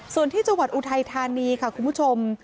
ส่วนที่จังหวัดอุทัยธานีค่ะคุณผู้ชม